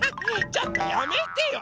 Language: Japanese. ちょっとやめてよ！